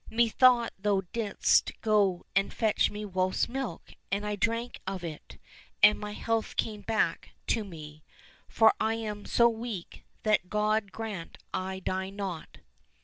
Methought thou didst go and fetch me wolf's milk, and I drank of it, and my health came back to me, for I am so weak that God grant I die not."